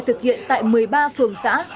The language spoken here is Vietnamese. thực hiện tại một mươi ba phường xã